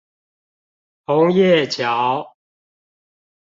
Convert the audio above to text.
紅葉橋